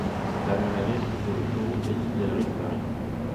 La même année s'ouvre le showroom Elite Gallery de Paris.